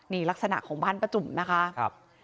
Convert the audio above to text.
นี่ลักษณะของบ้านป้าจุ่มนะคะ